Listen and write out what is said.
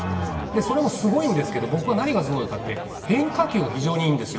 それもすごいんですけど何がすごいかって、変化球が非常にいいんですよ。